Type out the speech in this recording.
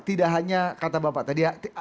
tidak hanya kata bapak tadi